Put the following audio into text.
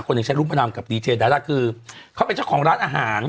คนหนึ่งใช้รูปมะดำกับดีเจดาร่าคือเขาเป็นเจ้าของร้านอาหาร